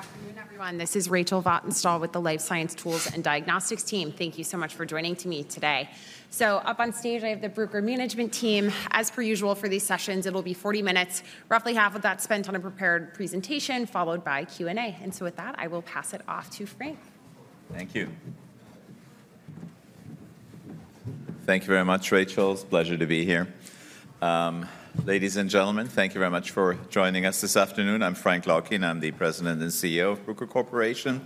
Good afternoon, everyone. This is Rachel Vatnsdal with the Life Science Tools and Diagnostics team. Thank you so much for joining me today. So, up on stage, I have the Bruker management team. As per usual for these sessions, it'll be 40 minutes, roughly half of that spent on a prepared presentation, followed by Q&A. And so, with that, I will pass it off to Frank. Thank you. Thank you very much, Rachel. It's a pleasure to be here. Ladies and gentlemen, thank you very much for joining us this afternoon. I'm Frank Laukien. I'm the President and CEO of Bruker Corporation.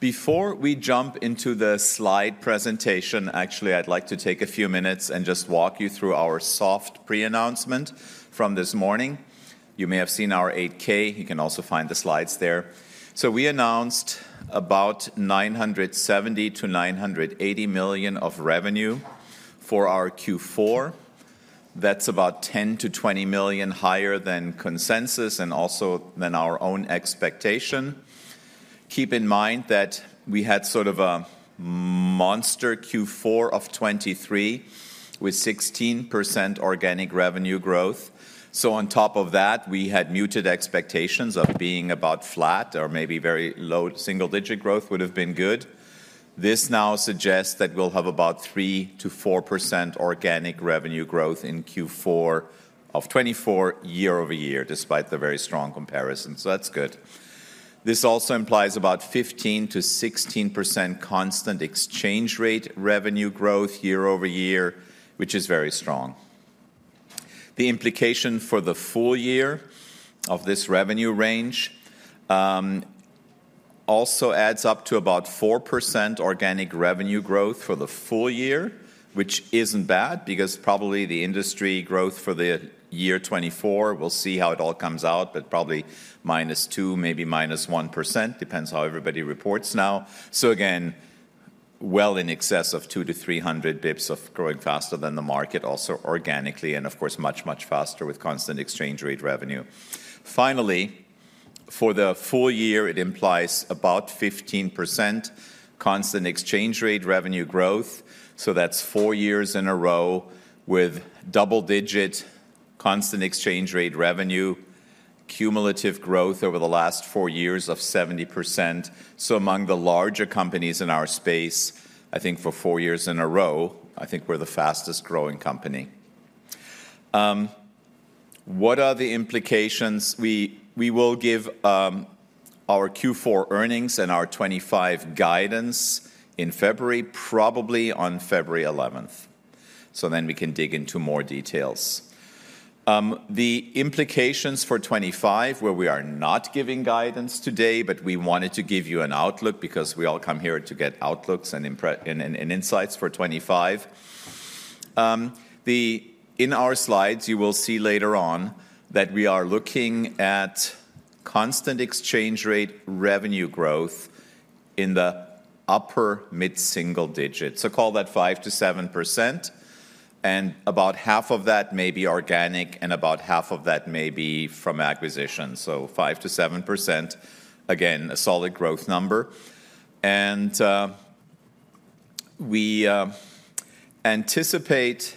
Before we jump into the slide presentation, actually, I'd like to take a few minutes and just walk you through our soft pre-announcement from this morning. You may have seen our 8-K. You can also find the slides there. So, we announced about $970 million-$980 million of revenue for our Q4. That's about $10 million-$20 million higher than consensus and also than our own expectation. Keep in mind that we had sort of a monster Q4 of 2023 with 16% organic revenue growth. So, on top of that, we had muted expectations of being about flat or maybe very low single-digit growth would have been good. This now suggests that we'll have about 3%-4% organic revenue growth in Q4 of 2024 year over year, despite the very strong comparison. So, that's good. This also implies about 15%-16% constant exchange rate revenue growth year-over-year, which is very strong. The implication for the full year of this revenue range also adds up to about 4% organic revenue growth for the full year, which isn't bad because probably the industry growth for the year 2024, we'll see how it all comes out, but probably -2%, maybe -1%. Depends how everybody reports now. So, again, well in excess of 2 to 300 basis points of growing faster than the market, also organically, and of course, much, much faster with constant exchange rate revenue. Finally, for the full year, it implies about 15% constant exchange rate revenue growth. That's four years in a row with double-digit constant exchange rate revenue cumulative growth over the last four years of 70%. So, among the larger companies in our space, I think for four years in a row, I think we're the fastest growing company. What are the implications? We will give our Q4 earnings and our 2025 guidance in February, probably on February 11th. So, then we can dig into more details. The implications for 2025, where we are not giving guidance today, but we wanted to give you an outlook because we all come here to get outlooks and insights for 2025. In our slides, you will see later on that we are looking at constant exchange rate revenue growth in the upper mid-single digits. So, call that 5%-7%, and about half of that may be organic, and about half of that may be from acquisition. 5%-7%, again, a solid growth number. We anticipate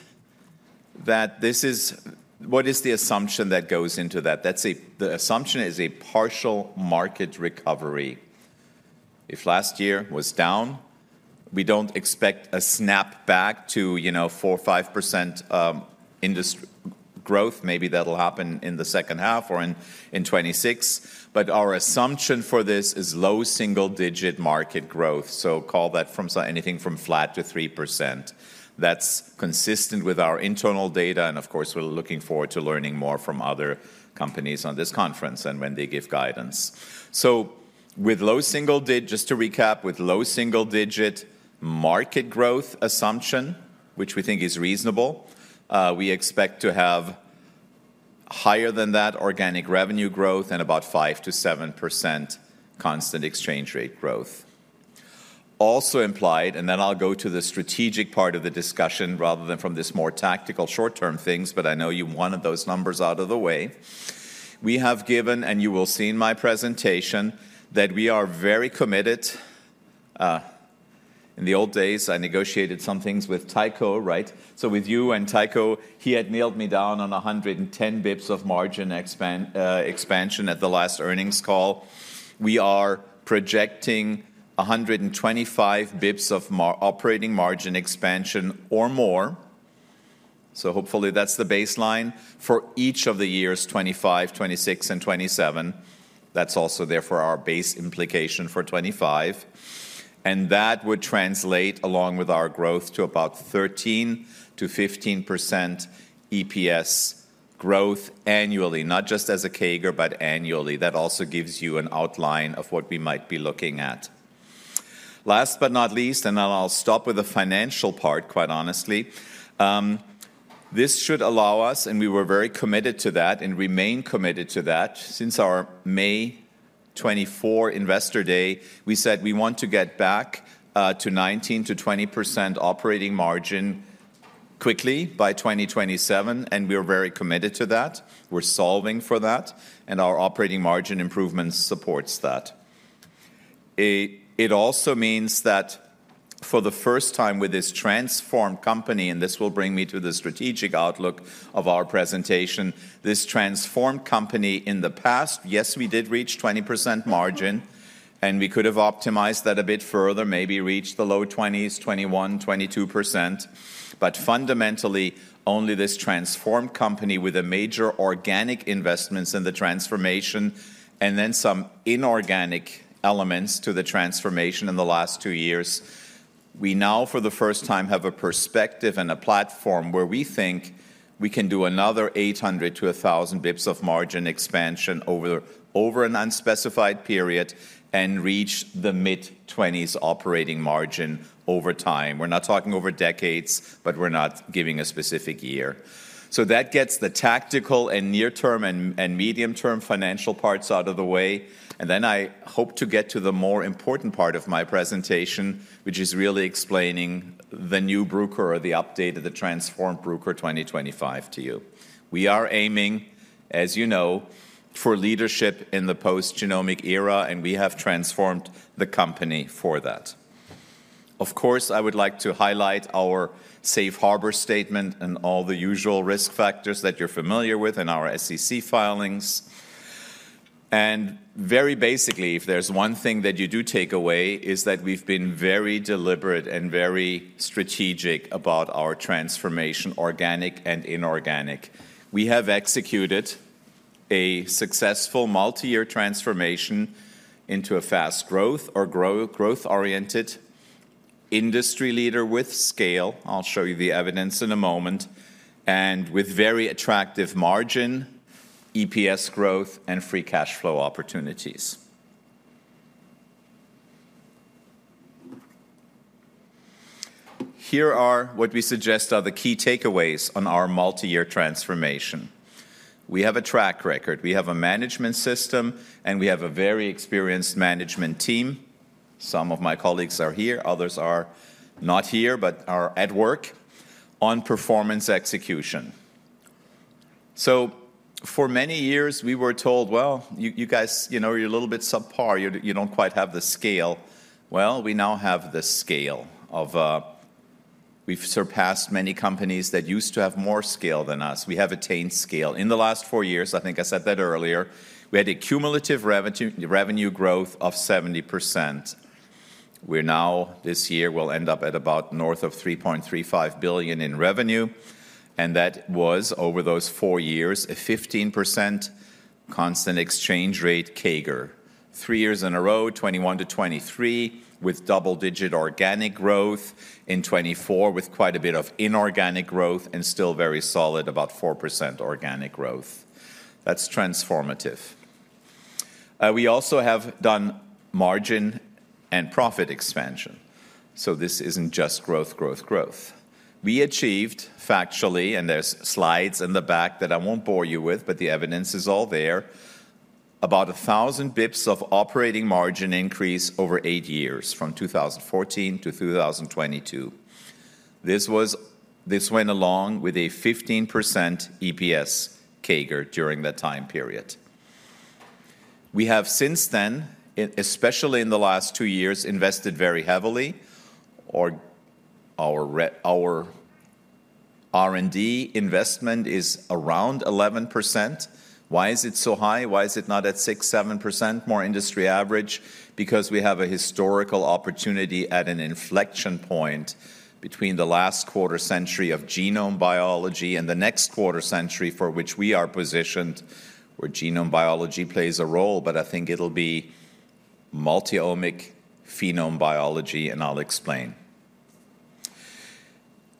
that this is what is the assumption that goes into that. That's the assumption is a partial market recovery. If last year was down, we don't expect a snap back to, you know, 4% or 5% industry growth. Maybe that'll happen in the second half or in 2026. Our assumption for this is low single-digit market growth. Call that from anything from flat to 3%. That's consistent with our internal data. Of course, we're looking forward to learning more from other companies on this conference and when they give guidance. With low single-digit market growth assumption, which we think is reasonable, we expect to have higher than that organic revenue growth and about 5%-7% constant exchange rate growth. Also implied, and then I'll go to the strategic part of the discussion rather than from this more tactical short-term things, but I know you wanted those numbers out of the way. We have given, and you will see in my presentation, that we are very committed. In the old days, I negotiated some things with Tycho, right? So, with you and Tycho, he had nailed me down on 110 basis points of margin expansion at the last earnings call. We are projecting 125 basis points of operating margin expansion or more. So, hopefully, that's the baseline for each of the years, 2025, 2026, and 2027. That's also there for our base implication for 2025. And that would translate, along with our growth, to about 13%-15% EPS growth annually, not just as a CAGR, but annually. That also gives you an outline of what we might be looking at. Last but not least, and then I'll stop with the financial part, quite honestly. This should allow us, and we were very committed to that and remain committed to that since our May 2024 Investor Day, we said we want to get back to 19%-20% operating margin quickly by 2027, and we're very committed to that. We're solving for that, and our operating margin improvement supports that. It also means that for the first time with this transformed company, and this will bring me to the strategic outlook of our presentation, this transformed company in the past, yes, we did reach 20% margin, and we could have optimized that a bit further, maybe reached the low 20s, 21%-22%. But fundamentally, only this transformed company with major organic investments in the transformation and then some inorganic elements to the transformation in the last two years, we now for the first time have a perspective and a platform where we think we can do another 800-1,000 basis points of margin expansion over an unspecified period and reach the mid-20s operating margin over time. We're not talking over decades, but we're not giving a specific year. So, that gets the tactical and near-term and medium-term financial parts out of the way. And then I hope to get to the more important part of my presentation, which is really explaining the new Bruker or the update of the transformed Bruker 2025 to you. We are aiming, as you know, for leadership in the post-genomic era, and we have transformed the company for that. Of course, I would like to highlight our safe harbor statement and all the usual risk factors that you're familiar with in our SEC filings, and very basically, if there's one thing that you do take away, it is that we've been very deliberate and very strategic about our transformation, organic and inorganic. We have executed a successful multi-year transformation into a fast growth or growth-oriented industry leader with scale. I'll show you the evidence in a moment, and with very attractive margin, EPS growth, and free cash flow opportunities. Here are what we suggest are the key takeaways on our multi-year transformation. We have a track record. We have a management system, and we have a very experienced management team. Some of my colleagues are here. Others are not here, but are at work on performance execution. So, for many years, we were told, well, you guys, you know, you're a little bit subpar. You don't quite have the scale. Well, we now have the scale of we've surpassed many companies that used to have more scale than us. We have attained scale. In the last four years, I think I said that earlier, we had a cumulative revenue growth of 70%. We're now, this year, we'll end up at about north of $3.35 billion in revenue. And that was, over those four years, a 15% constant exchange rate CAGR. Three years in a row, 2021 to 2023, with double-digit organic growth in 2024, with quite a bit of inorganic growth, and still very solid, about 4% organic growth. That's transformative. We also have done margin and profit expansion. So, this isn't just growth, growth, growth. We achieved, factually, and there's slides in the back that I won't bore you with, but the evidence is all there, about 1,000 basis points of operating margin increase over eight years from 2014 to 2022. This went along with a 15% EPS CAGR during that time period. We have since then, especially in the last two years, invested very heavily. Our R&D investment is around 11%. Why is it so high? Why is it not at 6-7% more industry average? Because we have a historical opportunity at an inflection point between the last quarter century of genome biology and the next quarter century for which we are positioned, where genome biology plays a role, but I think it'll be multi-omic phenome biology, and I'll explain.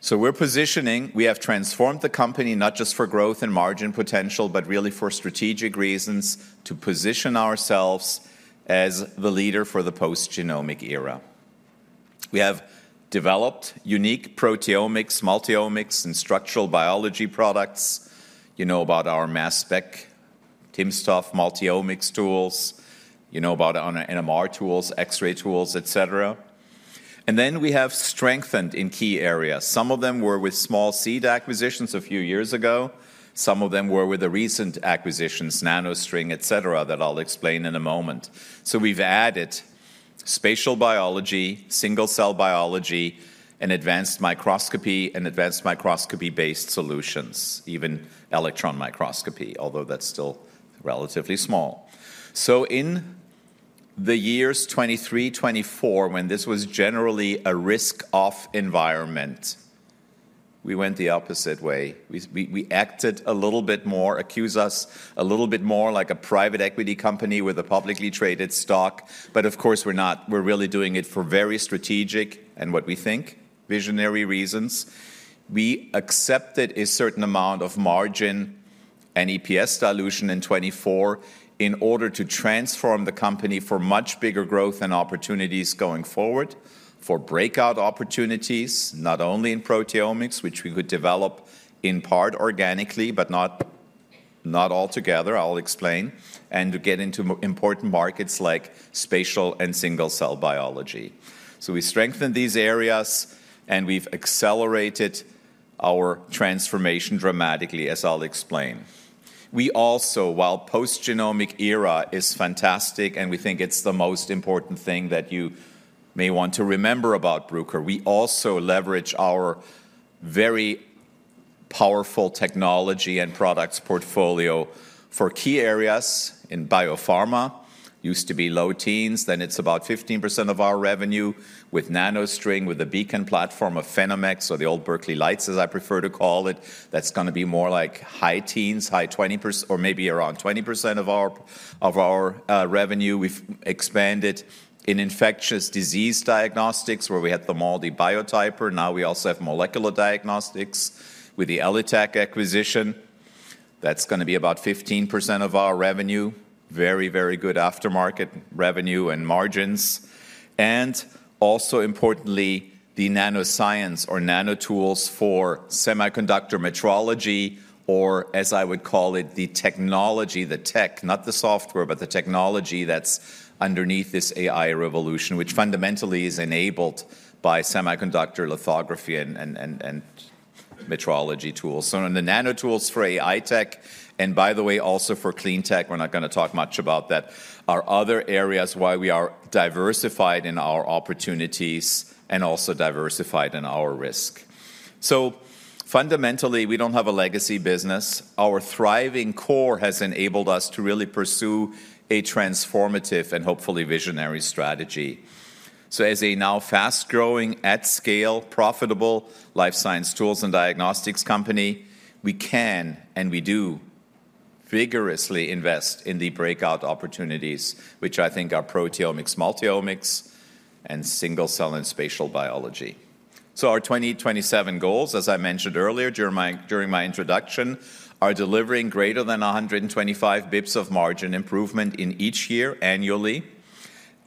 So, we're positioning, we have transformed the company not just for growth and margin potential, but really for strategic reasons to position ourselves as the leader for the post-genomic era. We have developed unique proteomics, multi-omics, and structural biology products. You know about our mass spec timsTOF multi-omics tools. You know about NMR tools, X-ray tools, et cetera, and then we have strengthened in key areas. Some of them were with small seed acquisitions a few years ago. Some of them were with the recent acquisitions, NanoString, et cetera, that I'll explain in a moment, so in the years 2023, 2024, when this was generally a risk-off environment, we went the opposite way. We acted a little bit more acquisitive a little bit more like a private equity company with a publicly traded stock. But of course, we're not. We're really doing it for very strategic and what we think visionary reasons. We accepted a certain amount of margin and EPS dilution in 2024 in order to transform the company for much bigger growth and opportunities going forward, for breakout opportunities, not only in proteomics, which we could develop in part organically, but not altogether. I'll explain, and to get into important markets like spatial and single-cell biology. So, we strengthened these areas, and we've accelerated our transformation dramatically, as I'll explain. We also, while post-genomic era is fantastic, and we think it's the most important thing that you may want to remember about Bruker, we also leverage our very powerful technology and products portfolio for key areas in biopharma. Used to be low teens, then it's about 15% of our revenue with NanoString, with the Beacon platform of PhenomeX, or the old Berkeley Lights, as I prefer to call it. That's going to be more like high teens, high 20%, or maybe around 20% of our revenue. We've expanded in infectious disease diagnostics, where we had the MALDI Biotyper. Now we also have molecular diagnostics with the ELITech acquisition. That's going to be about 15% of our revenue, very, very good aftermarket revenue and margins. And also importantly, the nanoscience or nano tools for semiconductor metrology, or as I would call it, the technology, the tech, not the software, but the technology that's underneath this AI revolution, which fundamentally is enabled by semiconductor lithography and metrology tools. So, on the nano tools for AI tech, and by the way, also for clean tech, we're not going to talk much about that. [They] are other areas why we are diversified in our opportunities and also diversified in our risk. Fundamentally, we don't have a legacy business. Our thriving core has enabled us to really pursue a transformative and hopefully visionary strategy. As a now fast-growing, at-scale, profitable life science tools and diagnostics company, we can and we do vigorously invest in the breakout opportunities, which I think are proteomics, multi-omics, and single-cell and spatial biology. Our 2027 goals, as I mentioned earlier during my introduction, are delivering greater than 125 basis points of margin improvement in each year annually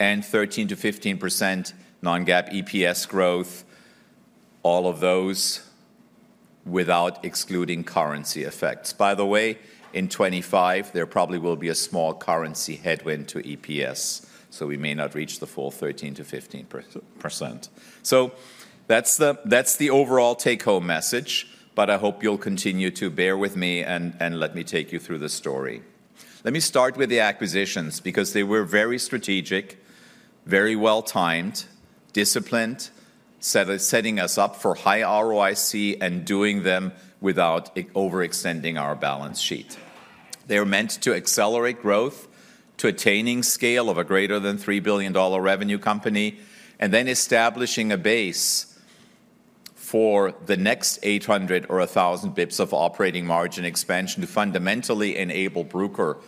and 13%-15% non-GAAP EPS growth, all of those without excluding currency effects. By the way, in 2025, there probably will be a small currency headwind to EPS, so we may not reach the full 13%-15%. So, that's the overall take-home message, but I hope you'll continue to bear with me and let me take you through the story. Let me start with the acquisitions because they were very strategic, very well-timed, disciplined, setting us up for high ROIC and doing them without overextending our balance sheet. They are meant to accelerate growth to attaining scale of a greater than $3 billion revenue company and then establishing a base for the next 800 or 1,000 basis points of operating margin expansion to fundamentally enable Bruker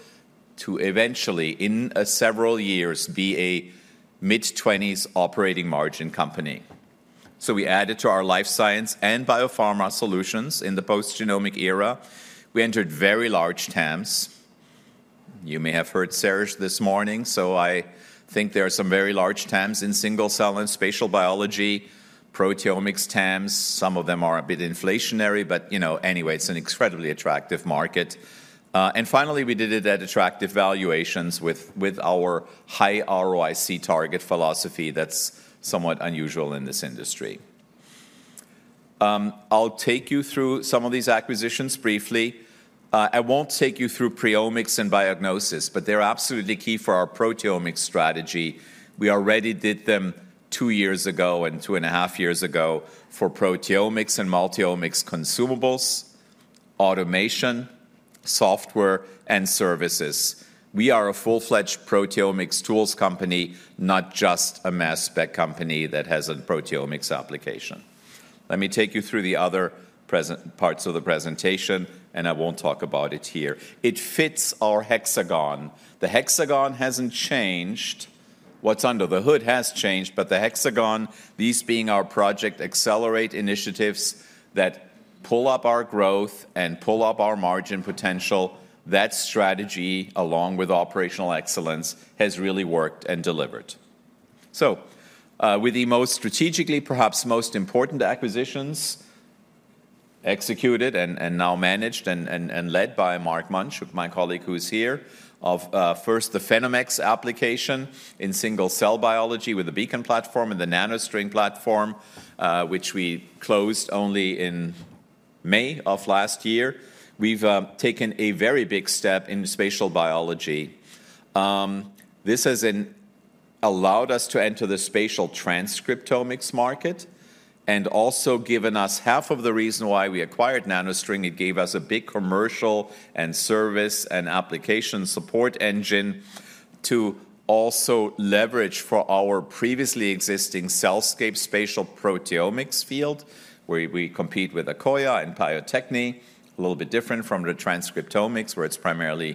to eventually, in several years, be a mid-20s operating margin company. So, we added to our life science and biopharma solutions in the post-genomic era. We entered very large TAMs. You may have heard Srega this morning, so I think there are some very large TAMs in single-cell and spatial biology, proteomics TAMs. Some of them are a bit inflationary, but you know, anyway, it's an incredibly attractive market, and finally, we did it at attractive valuations with our high ROIC target philosophy that's somewhat unusual in this industry. I'll take you through some of these acquisitions briefly. I won't take you through PreOmics and diagnostics, but they're absolutely key for our proteomics strategy. We already did them two years ago and two and a half years ago for proteomics and multi-omics consumables, automation, software, and services. We are a full-fledged proteomics tools company, not just a mass spec company that has a proteomics application. Let me take you through the other parts of the presentation, and I won't talk about it here. It fits our hexagon. The hexagon hasn't changed. What's under the hood has changed, but the hexagon, these being our Project Accelerate initiatives that pull up our growth and pull up our margin potential, that strategy, along with operational excellence, has really worked and delivered. So, with the most strategically, perhaps most important acquisitions executed and now managed and led by Mark Munch, my colleague who's here, of first the PhenomeX acquisition in single-cell biology with the Beacon platform and the NanoString platform, which we closed only in May of last year. We've taken a very big step in spatial biology. This has allowed us to enter the spatial transcriptomics market and also given us half of the reason why we acquired NanoString. It gave us a big commercial and service and application support engine to also leverage for our previously existing CellScape spatial proteomics field, where we compete with Akoya and Bio-Techne, a little bit different from the transcriptomics, where it's primarily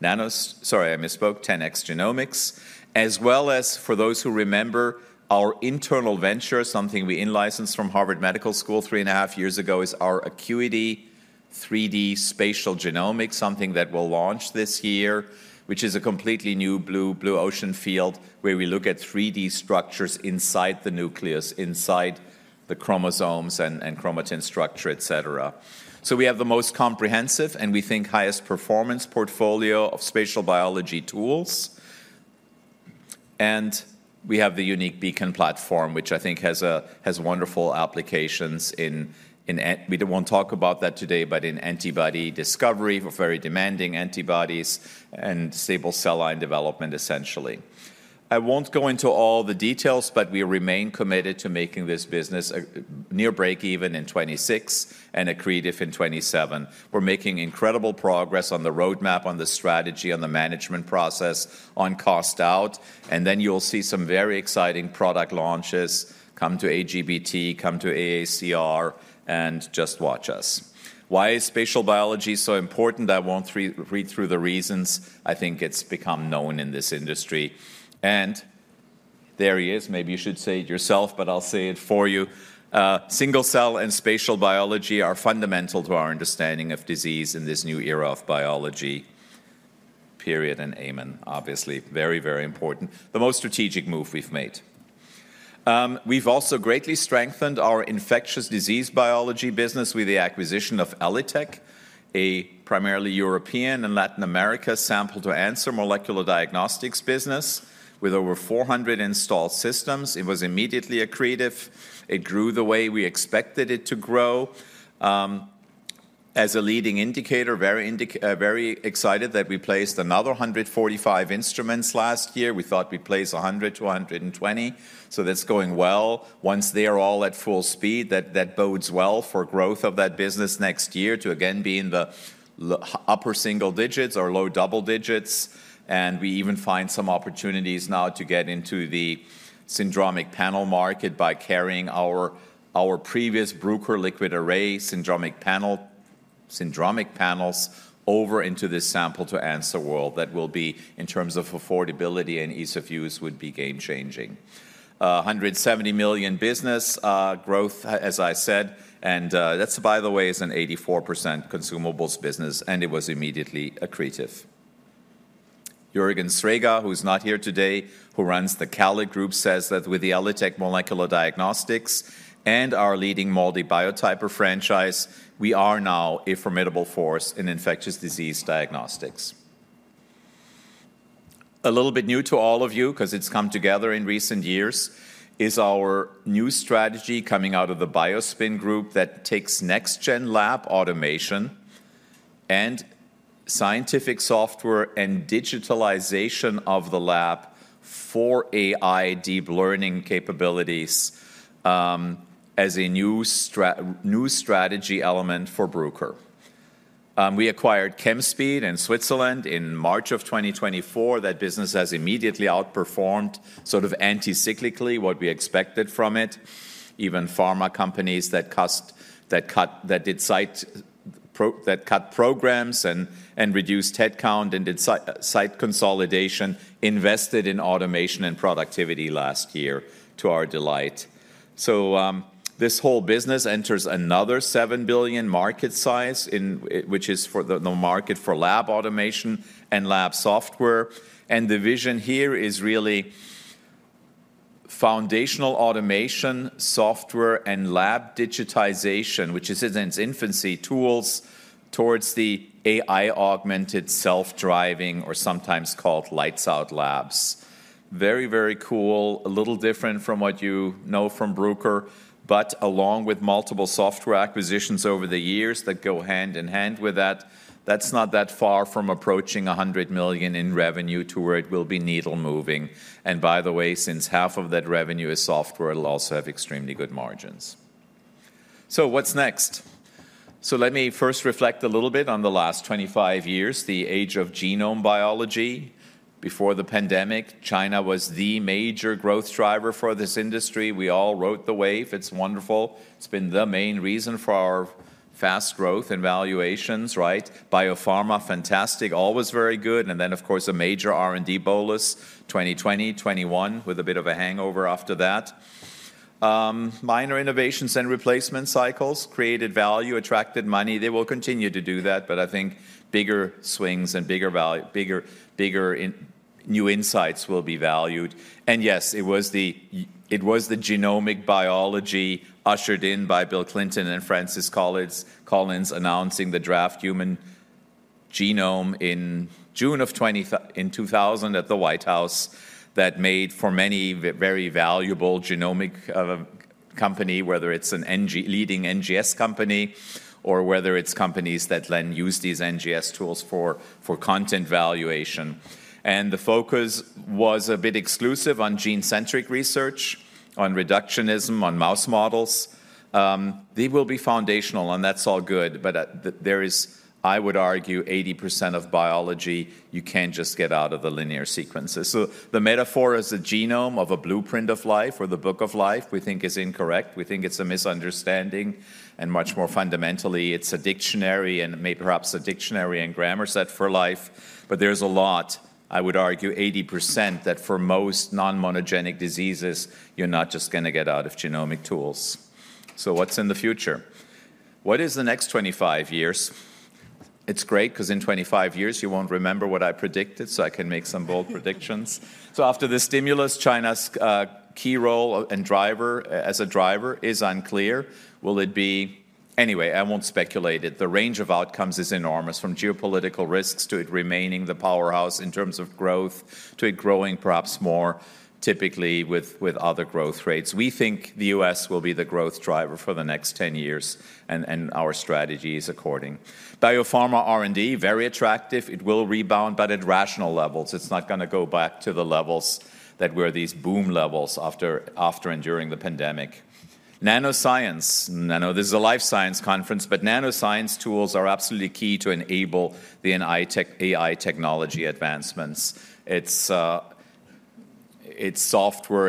nano, sorry, I misspoke, 10x Genomics. As well as, for those who remember, our internal venture, something we in-licensed from Harvard Medical School three and a half years ago, is our Acuity 3D spatial genomics, something that we'll launch this year, which is a completely new blue ocean field where we look at 3D structures inside the nucleus, inside the chromosomes and chromatin structure, et cetera. So, we have the most comprehensive and we think highest performance portfolio of spatial biology tools. We have the unique Beacon platform, which I think has wonderful applications in. We don't want to talk about that today. But in antibody discovery for very demanding antibodies and stable cell line development, essentially. I won't go into all the details, but we remain committed to making this business near break-even in 2026 and accretive in 2027. We're making incredible progress on the roadmap, on the strategy, on the management process, on cost out. And then you'll see some very exciting product launches. Come to AGBT, come to AACR, and just watch us. Why is spatial biology so important? I won't read through the reasons. I think it's become known in this industry. And there he is, maybe you should say it yourself, but I'll say it for you. Single-cell and spatial biology are fundamental to our understanding of disease in this new era of biology. Period and amen, obviously very, very important. The most strategic move we've made. We've also greatly strengthened our infectious disease biology business with the acquisition of ELITechGroup, a primarily European and Latin America sample-to-answer molecular diagnostics business with over 400 installed systems. It was immediately accretive. It grew the way we expected it to grow. As a leading indicator, very excited that we placed another 145 instruments last year. We thought we placed 100 to 120. So, that's going well. Once they're all at full speed, that bodes well for growth of that business next year to again be in the upper single digits or low double digits. We even find some opportunities now to get into the syndromic panel market by carrying our previous Bruker LiquidArray syndromic panel panels over into this sample-to-answer world that will be, in terms of affordability and ease of use, would be game-changing. $170 million business growth, as I said, and that's, by the way, an 84% consumables business, and it was immediately accretive. Juergen Srega, who's not here today, who runs the CALID Group, says that with the ELITech molecular diagnostics and our leading MALDI Biotyper franchise, we are now a formidable force in infectious disease diagnostics. A little bit new to all of you, because it's come together in recent years, is our new strategy coming out of the BioSpin Group that takes next-gen lab automation and scientific software and digitalization of the lab for AI deep learning capabilities as a new strategy element for Bruker. We acquired Chemspeed in Switzerland in March of 2024. That business has immediately outperformed sort of anticyclically what we expected from it. Even pharma companies that cut programs and reduced headcount and did site consolidation invested in automation and productivity last year, to our delight. So, this whole business enters another $7 billion market size, which is for the market for lab automation and lab software. The vision here is really foundational automation software and lab digitization, which is in its infancy, tools towards the AI augmented self-driving, or sometimes called lights-out labs. Very, very cool, a little different from what you know from Bruker, but along with multiple software acquisitions over the years that go hand in hand with that, that's not that far from approaching $100 million in revenue to where it will be needle-moving. By the way, since half of that revenue is software, it'll also have extremely good margins. What's next? Let me first reflect a little bit on the last 25 years, the age of genome biology. Before the pandemic, China was the major growth driver for this industry. We all rode the wave. It's wonderful. It's been the main reason for our fast growth and valuations, right? Biopharma, fantastic, always very good. Then, of course, a major R&D bolus, 2020, 2021, with a bit of a hangover after that. Minor innovations and replacement cycles created value, attracted money. They will continue to do that, but I think bigger swings and bigger new insights will be valued. Yes, it was the genomic biology ushered in by Bill Clinton and Francis Collins announcing the draft human genome in June of 2000 at the White House that made for many a very valuable genomic company, whether it's a leading NGS company or whether it's companies that then use these NGS tools for content valuation. The focus was a bit exclusive on gene-centric research, on reductionism, on mouse models. They will be foundational, and that's all good, but there is, I would argue, 80% of biology you can't just get out of the linear sequences. The metaphor as a genome of a blueprint of life or the book of life, we think is incorrect. We think it's a misunderstanding. Much more fundamentally, it's a dictionary and maybe perhaps a dictionary and grammar set for life. But there's a lot, I would argue, 80% that for most non-monogenic diseases, you're not just going to get out of genomic tools. So, what's in the future? What is the next 25 years? It's great because in 25 years, you won't remember what I predicted, so I can make some bold predictions. So, after the stimulus, China's key role and driver as a driver is unclear. Will it be? Anyway, I won't speculate it. The range of outcomes is enormous, from geopolitical risks to it remaining the powerhouse in terms of growth to it growing perhaps more typically with other growth rates. We think the U.S. will be the growth driver for the next 10 years, and our strategy is accordingly. Biopharma R&D, very attractive. It will rebound, but at rational levels. It's not going to go back to the levels that were these boom levels after enduring the pandemic. Nanoscience, I know this is a life science conference, but nanoscience tools are absolutely key to enable the AI technology advancements. It's software,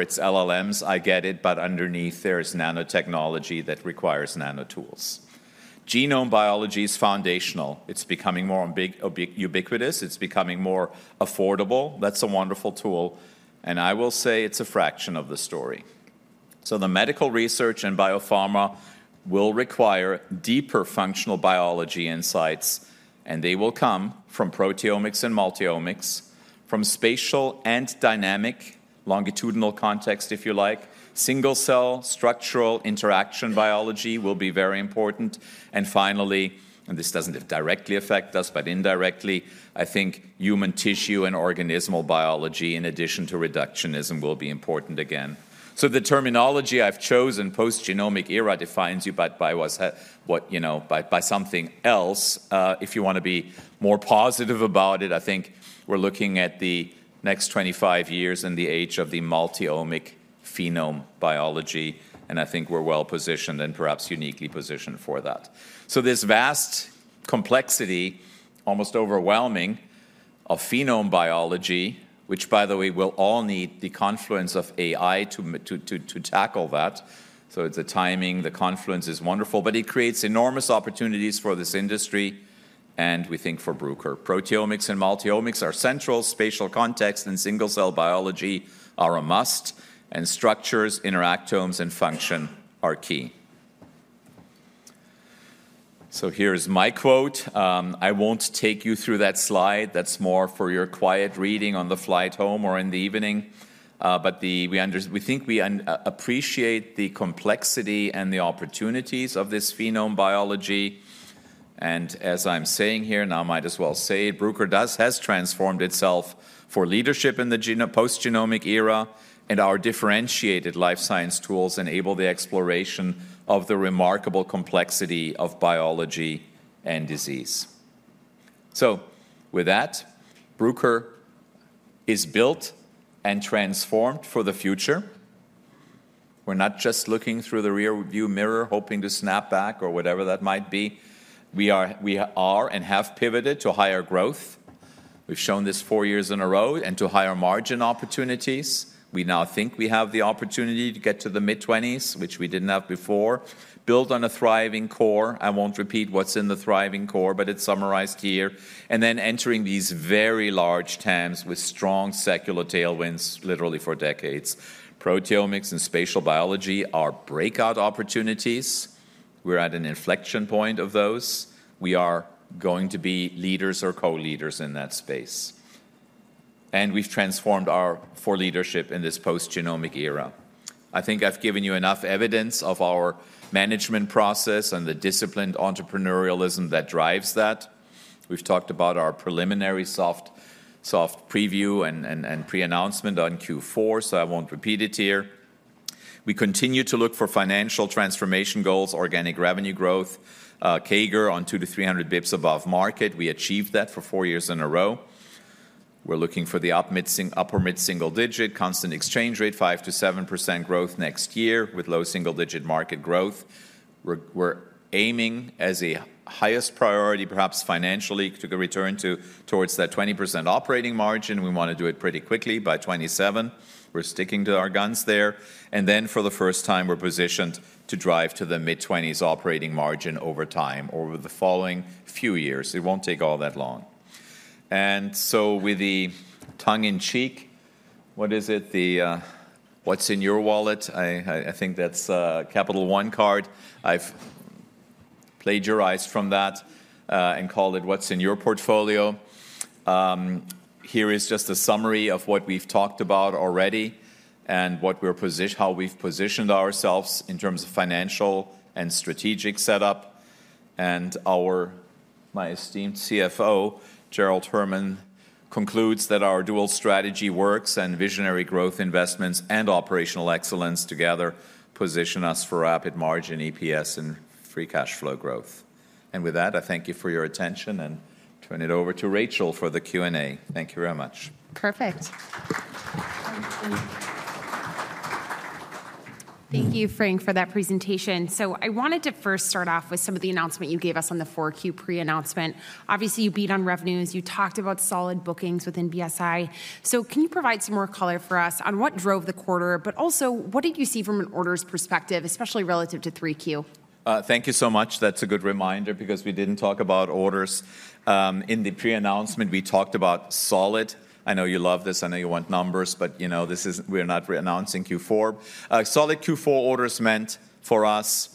it's LLMs, I get it, but underneath, there is nanotechnology that requires nano tools. Genome biology is foundational. It's becoming more ubiquitous. It's becoming more affordable. That's a wonderful tool, and I will say it's a fraction of the story, so the medical research and biopharma will require deeper functional biology insights, and they will come from proteomics and multi-omics, from spatial and dynamic longitudinal context, if you like, single-cell structural interaction biology will be very important, and finally, and this doesn't directly affect us, but indirectly, I think human tissue and organismal biology, in addition to reductionism, will be important again. The terminology I've chosen, post-genomic era, defines you by what you know, by something else. If you want to be more positive about it, I think we're looking at the next 25 years in the age of the multi-omic phenome biology, and I think we're well positioned and perhaps uniquely positioned for that. This vast complexity, almost overwhelming, of phenome biology, which, by the way, will all need the confluence of AI to tackle that. It's a timing. The confluence is wonderful, but it creates enormous opportunities for this industry, and we think for Bruker. Proteomics and multi-omics are central. Spatial context and single-cell biology are a must, and structures, interactomes, and function are key. Here's my quote. I won't take you through that slide. That's more for your quiet reading on the flight home or in the evening. But we think we appreciate the complexity and the opportunities of this phenome biology. And as I'm saying here, and I might as well say it, Bruker has transformed itself for leadership in the post-genomic era, and our differentiated life science tools enable the exploration of the remarkable complexity of biology and disease. So, with that, Bruker is built and transformed for the future. We're not just looking through the rearview mirror, hoping to snap back or whatever that might be. We are and have pivoted to higher growth. We've shown this four years in a row and to higher margin opportunities. We now think we have the opportunity to get to the mid-20s, which we didn't have before. Built on a thriving core. I won't repeat what's in the thriving core, but it's summarized here. And then entering these very large TAMs with strong secular tailwinds, literally for decades. Proteomics and spatial biology are breakout opportunities. We're at an inflection point of those. We are going to be leaders or co-leaders in that space, and we've transformed our portfolio for leadership in this post-genomic era. I think I've given you enough evidence of our management process and the disciplined entrepreneurialism that drives that. We've talked about our preliminary soft preview and pre-announcement on Q4, so I won't repeat it here. We continue to look for financial transformation goals, organic revenue growth, CAGR on 200-300 basis points above market. We achieved that for four years in a row. We're looking for the upper mid-single digit constant exchange rate, 5%-7% growth next year with low single-digit % market growth. We're aiming as a highest priority, perhaps financially, to return towards that 20% operating margin. We want to do it pretty quickly by 2027. We're sticking to our guns there. And then for the first time, we're positioned to drive to the mid-20s operating margin over time over the following few years. It won't take all that long. And so, with the tongue in cheek, what is it? What's in your wallet? I think that's a Capital One card. I've plagiarized from that and called it what's in your portfolio. Here is just a summary of what we've talked about already and how we've positioned ourselves in terms of financial and strategic setup. And my esteemed CFO, Gerald Herman, concludes that our dual strategy works and visionary growth investments and operational excellence together position us for rapid margin, EPS, and free cash flow growth. And with that, I thank you for your attention and turn it over to Rachel for the Q&A. Thank you very much. Perfect. Thank you, Frank, for that presentation. So, I wanted to first start off with some of the announcement you gave us on the Q4 pre-announcement. Obviously, you beat on revenues. You talked about solid bookings within BSI. So, can you provide some more color for us on what drove the quarter, but also what did you see from an orders perspective, especially relative to Q3? Thank you so much. That's a good reminder because we didn't talk about orders. In the pre-announcement, we talked about solid. I know you love this. I know you want numbers, but you know we're not announcing Q4. Solid Q4 orders meant for us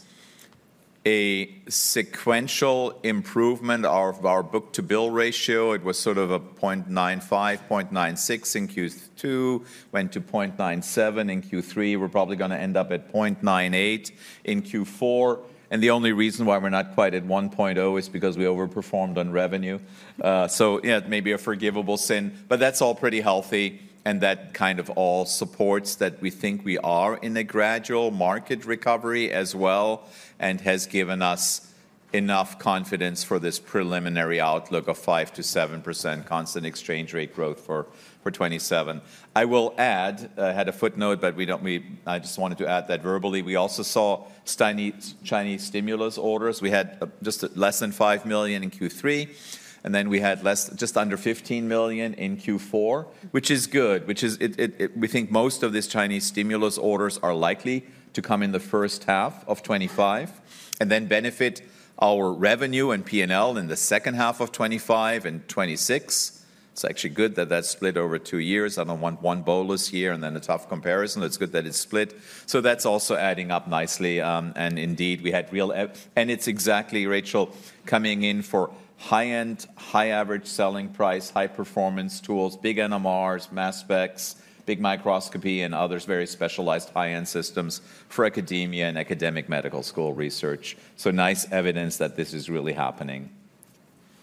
a sequential improvement of our book-to-bill ratio. It was sort of a 0.95, 0.96 in Q2, went to 0.97 in Q3. We're probably going to end up at 0.98 in Q4. The only reason why we're not quite at 1.0 is because we overperformed on revenue. So, yeah, it may be a forgivable sin, but that's all pretty healthy. That kind of all supports that we think we are in a gradual market recovery as well and has given us enough confidence for this preliminary outlook of 5%-7% constant exchange rate growth for 2027. I will add. I had a footnote, but I just wanted to add that verbally. We also saw Chinese stimulus orders. We had just less than $5 million in Q3, and then we had just under $15 million in Q4, which is good. We think most of these Chinese stimulus orders are likely to come in the first half of 2025 and then benefit our revenue and P&L in the second half of 2025 and 2026. It's actually good that that's split over two years. I don't want one bolus here and then a tough comparison. It's good that it's split. So, that's also adding up nicely. And indeed, we had real. And it's exactly, Rachel, coming in for high-end, high-average selling price, high-performance tools, big NMRs, mass specs, big microscopy, and others, very specialized high-end systems for academia and academic medical school research. So, nice evidence that this is really happening.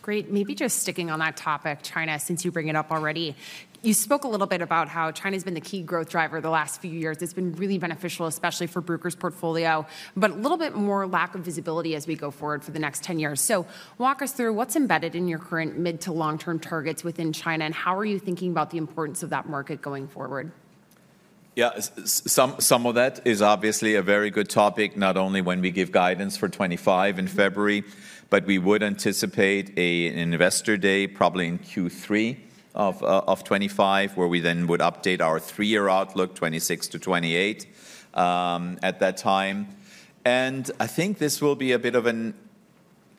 Great. Maybe just sticking on that topic, China, since you bring it up already. You spoke a little bit about how China has been the key growth driver the last few years. It's been really beneficial, especially for Bruker's portfolio, but a little bit more lack of visibility as we go forward for the next 10 years. So, walk us through what's embedded in your current mid-to-long-term targets within China and how are you thinking about the importance of that market going forward? Yeah, some of that is obviously a very good topic, not only when we give guidance for 2025 in February, but we would anticipate an investor day probably in Q3 of 2025, where we then would update our three-year outlook, 2026 to 2028 at that time. And I think this will be a bit of an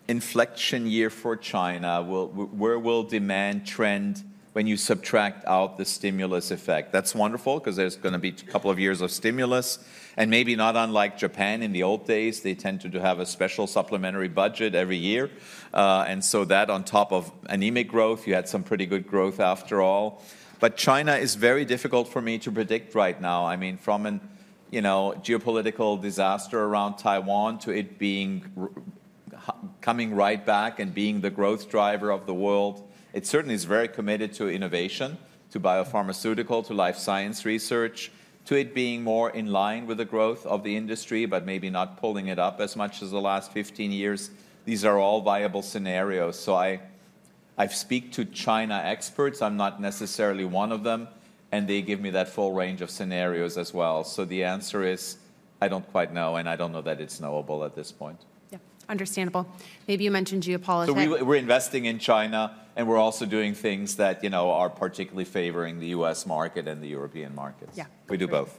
inflection year for China, where we'll demand trend when you subtract out the stimulus effect. That's wonderful because there's going to be a couple of years of stimulus. And maybe not unlike Japan in the old days, they tend to have a special supplementary budget every year. And so that on top of anemic growth, you had some pretty good growth after all. But China is very difficult for me to predict right now. I mean, from a geopolitical disaster around Taiwan to it coming right back and being the growth driver of the world, it certainly is very committed to innovation, to biopharmaceutical, to life science research, to it being more in line with the growth of the industry, but maybe not pulling it up as much as the last 15 years. These are all viable scenarios. So, I've spoken to China experts. I'm not necessarily one of them, and they give me that full range of scenarios as well. So, the answer is I don't quite know, and I don't know that it's knowable at this point. Yeah, understandable. Maybe you mentioned geopolitics. So, we're investing in China, and we're also doing things that are particularly favoring the US market and the European markets. Yeah We do both.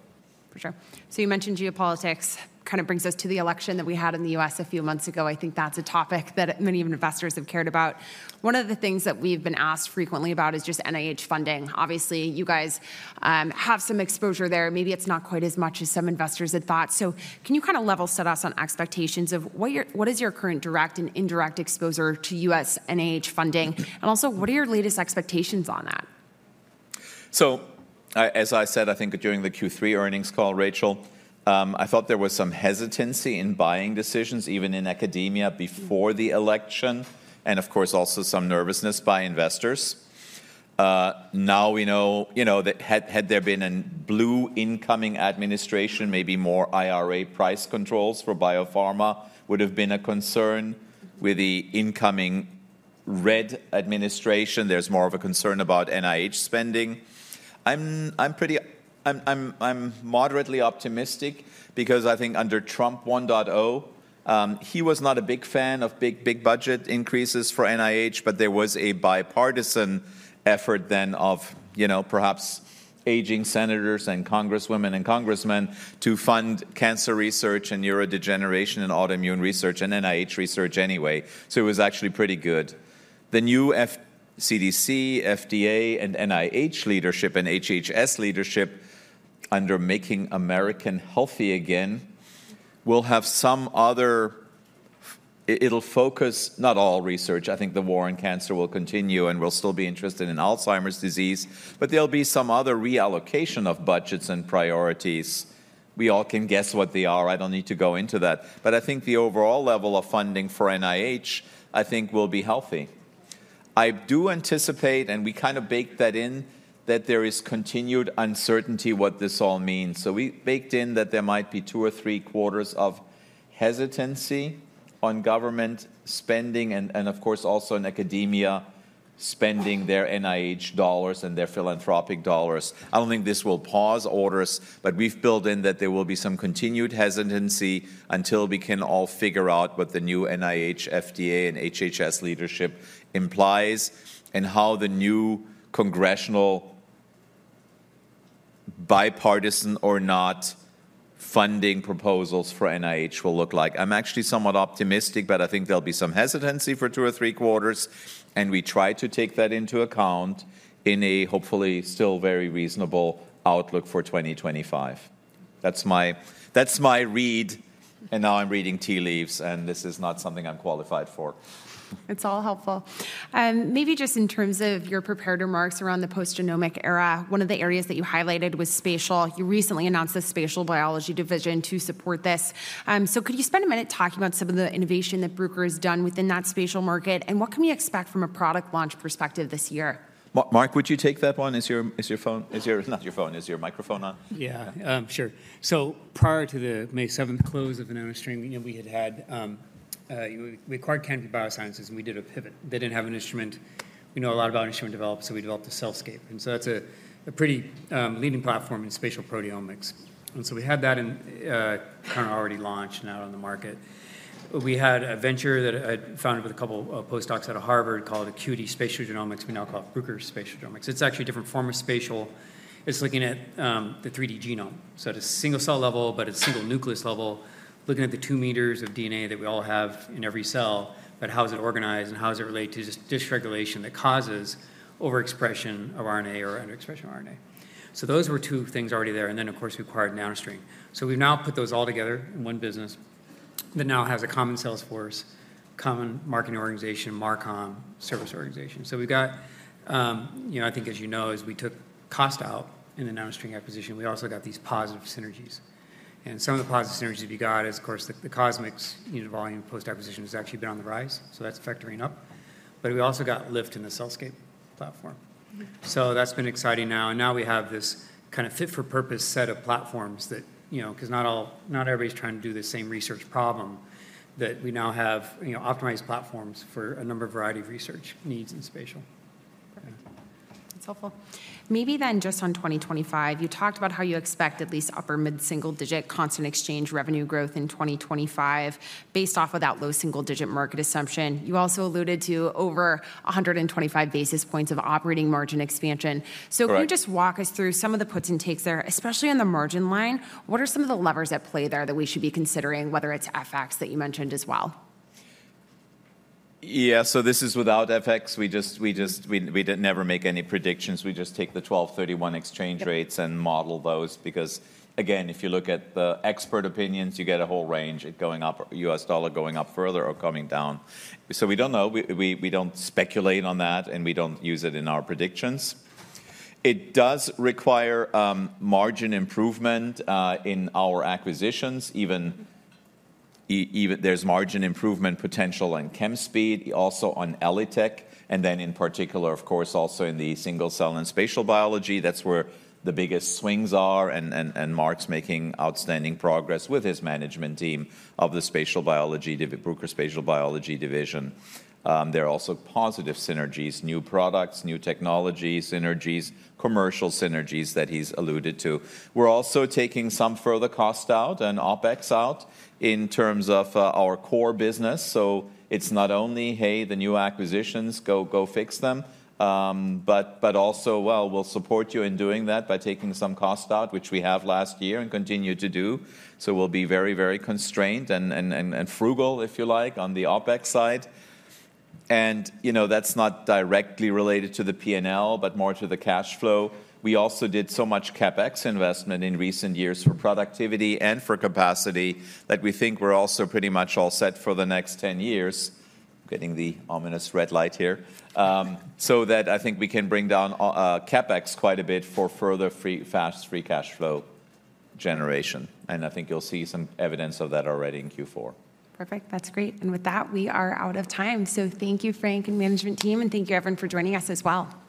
For sure. You mentioned geopolitics kind of brings us to the election that we had in the U.S. a few months ago. I think that's a topic that many investors have cared about. One of the things that we've been asked frequently about is just NIH funding. Obviously, you guys have some exposure there. Maybe it's not quite as much as some investors had thought. Can you kind of level set us on expectations of what is your current direct and indirect exposure to U.S. NIH funding? And also, what are your latest expectations on that? As I said, I think during the Q3 earnings call, Rachel, I thought there was some hesitancy in buying decisions, even in academia before the election, and of course, also some nervousness by investors. Now we know that had there been a blue incoming administration, maybe more IRA price controls for biopharma would have been a concern. With the incoming red administration, there's more of a concern about NIH spending. I'm moderately optimistic because I think under Trump 1.0, he was not a big fan of big budget increases for NIH, but there was a bipartisan effort then of perhaps aging senators and congresswomen and congressmen to fund cancer research and neurodegeneration and autoimmune research and NIH research anyway. So, it was actually pretty good. The new CDC, FDA, and NIH leadership and HHS leadership under Making America Healthy Again will have some other focus, not all research. I think the war on cancer will continue and we'll still be interested in Alzheimer's disease, but there'll be some other reallocation of budgets and priorities. We all can guess what they are. I don't need to go into that, but I think the overall level of funding for NIH, I think, will be healthy. I do anticipate, and we kind of baked that in, that there is continued uncertainty what this all means, so we baked in that there might be two or three quarters of hesitancy on government spending and, of course, also in academia spending their NIH dollars and their philanthropic dollars. I don't think this will pause orders, but we've built in that there will be some continued hesitancy until we can all figure out what the new NIH, FDA, and HHS leadership implies and how the new congressional bipartisan or not funding proposals for NIH will look like. I'm actually somewhat optimistic, but I think there'll be some hesitancy for two or three quarters, and we try to take that into account in a hopefully still very reasonable outlook for 2025. That's my read, and now I'm reading tea leaves, and this is not something I'm qualified for. It's all helpful. Maybe just in terms of your prepared remarks around the post-genomic era, one of the areas that you highlighted was spatial. You recently announced the spatial biology division to support this. So, could you spend a minute talking about some of the innovation that Bruker has done within that spatial market, and what can we expect from a product launch perspective this year? Mark, would you take that one? Is your phone not your phone. Is your microphone on? Yeah, sure. Prior to the May 7th close of the NanoString, we had acquired Canopy Biosciences, and we did a pivot. They didn't have an instrument. We know a lot about instrument development, so we developed a CellScape. That's a pretty leading platform in spatial proteomics. We had that kind of already launched and out on the market. We had a venture that I founded with a couple of postdocs out of Harvard called Acuity Spatial Genomics. We now call it Bruker Spatial Genomics. It's actually a different form of spatial. It's looking at the 3D genome. So, at a single cell level, but at a single nucleus level, looking at the two meters of DNA that we all have in every cell, but how is it organized and how does it relate to just dysregulation that causes overexpression of RNA or under-expression of RNA? So, those were two things already there. And then, of course, we acquired NanoString. So, we've now put those all together in one business that now has a common sales force, common marketing organization, marcom, service organization. So, we've got, I think, as you know, as we took cost out in the NanoString acquisition, we also got these positive synergies. And some of the positive synergies we got is, of course, the CosMx volume post-acquisition has actually been on the rise. So, that's factoring up. But we also got lift in the CellScape platform. So, that's been exciting now. Now we have this kind of fit-for-purpose set of platforms that, because not everybody's trying to do the same research problem, that we now have optimized platforms for a number of variety of research needs in spatial. Perfect. That's helpful. Maybe then just on 2025, you talked about how you expect at least upper mid-single digit constant currency revenue growth in 2025 based off of that low single digit market assumption. You also alluded to over 125 basis points of operating margin expansion. Can you just walk us through some of the puts and takes there, especially on the margin line? What are some of the levers at play there that we should be considering, whether it's FX that you mentioned as well? Yeah, this is without FX. We just never make any predictions. We just take the 12/31 exchange rates and model those because, again, if you look at the expert opinions, you get a whole range going up, US dollar going up further or coming down. So, we don't know. We don't speculate on that, and we don't use it in our predictions. It does require margin improvement in our acquisitions. There's margin improvement potential on Chemspeed, also on ELITech. And then in particular, of course, also in the single cell and spatial biology, that's where the biggest swings are, and Mark's making outstanding progress with his management team of the spatial biology, the Bruker Spatial Biology Division. There are also positive synergies, new products, new technology synergies, commercial synergies that he's alluded to. We're also taking some further cost out and OpEx out in terms of our core business. So, it's not only, hey, the new acquisitions, go fix them, but also, well, we'll support you in doing that by taking some cost out, which we have last year and continue to do. So, we'll be very, very constrained and frugal, if you like, on the OpEx side. And that's not directly related to the P&L, but more to the cash flow. We also did so much CapEx investment in recent years for productivity and for capacity that we think we're also pretty much all set for the next 10 years. I'm getting the ominous red light here. So that I think we can bring down CapEx quite a bit for further fast free cash flow generation. And I think you'll see some evidence of that already in Q4. Perfect. That's great. And with that, we are out of time. So, thank you, Frank and management team, and thank you, everyone, for joining us as well. Thanks.